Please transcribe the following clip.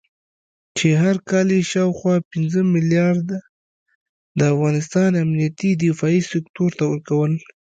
چې هر کال یې شاوخوا پنځه مليارده د افغانستان امنيتي دفاعي سکتور ته ورکول